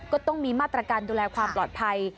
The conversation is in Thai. ก็ต้องมีมาตรการดูแลความปลอดภัย